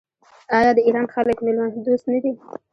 آیا د ایران خلک میلمه دوست نه دي؟